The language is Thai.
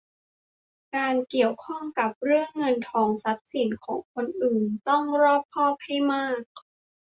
การเกี่ยวข้องกับเรื่องเงินทองทรัพย์สินของคนอื่นต้องรอบคอบให้มาก